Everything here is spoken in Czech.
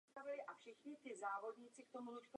Musíme vyslyšet křik hladomoru a podle toho jednat.